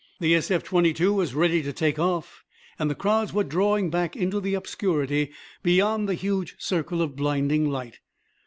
The SF 22 was ready to take off and the crowds were drawing back into the obscurity beyond the huge circle of blinding light.